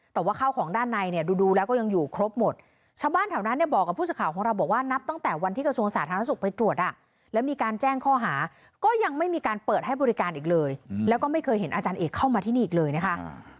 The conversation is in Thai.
แต่ว่าข้าวของด้านในเนี่ยดูแล้วก็ยังอยู่ครบหมดชาวบ้านแถวนั้นเนี่ยบอกกับผู้สื่อข่าวของเราบอกว่านับตั้งแต่วันที่กระทรวงสาธารณสุขไปตรวจอ่ะแล้วมีการแจ้งข้อหาก็ยังไม่มีการเปิดให้บริการอีกเลยแล้วก็ไม่เคยเห็นอาจารย์เอกเข้ามาที่นี่อีกเลยนะคะ